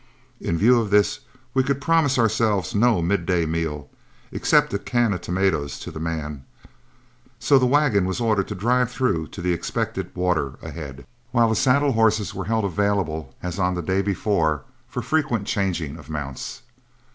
In view of this, we could promise ourselves no midday meal except a can of tomatoes to the man; so the wagon was ordered to drive through to the expected water ahead, while the saddle horses were held available as on the day before for frequent changing of mounts.